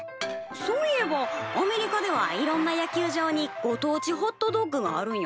そういえばアメリカではいろんな野球場にご当地ホットドッグがあるんよね？